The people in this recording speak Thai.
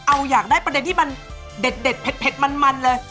เอาอยากได้ประเด็นที่มันเด็ดเผ็ดมันเลย